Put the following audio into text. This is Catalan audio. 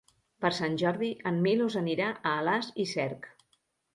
Per Sant Jordi en Milos anirà a Alàs i Cerc.